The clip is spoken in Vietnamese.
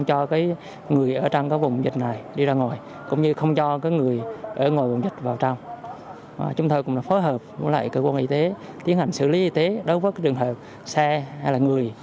chúng tôi cũng đã phối hợp với lại cơ quan y tế tiến hành xử lý y tế đối với trường hợp xe hay là người